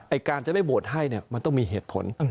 การจะได้โหวตให้เนี่ยมันต้องมีเหตุผล